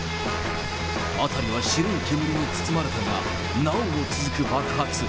辺りは白い煙に包まれたが、なおも続く爆発。